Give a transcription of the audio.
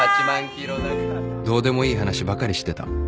どうでもいい話ばかりしてた